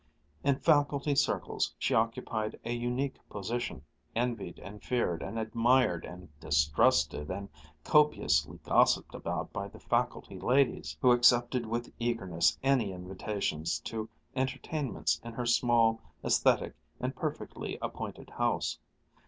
In faculty circles she occupied a unique position, envied and feared and admired and distrusted and copiously gossiped about by the faculty ladies, who accepted with eagerness any invitations to entertainments in her small, aesthetic, and perfectly appointed house.